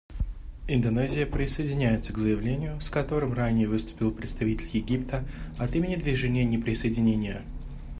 Индонезия присоединяется к заявлению, с которым ранее выступил представитель Египта от имени Движения неприсоединения.